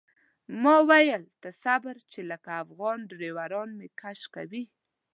ما ویل ته صبر چې لکه افغان ډریوران مې کش کوي.